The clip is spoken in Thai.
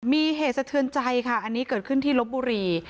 มีเหตุสะเทือนใจค่ะอันนี้เกิดขึ้นที่ลบบุรี